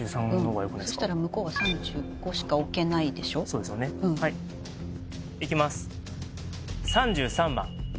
そしたら向こうが３５しか置けないでしょそうですよねいきます